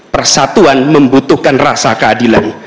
persatuan membutuhkan rasa keadilan